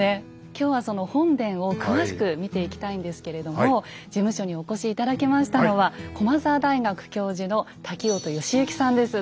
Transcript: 今日はその本殿を詳しく見ていきたいんですけれども事務所にお越し頂きましたのは駒澤大学教授の瀧音能之さんです。